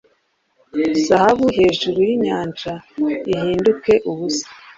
Zahabu hejuru yinyanja ihinduke ubusa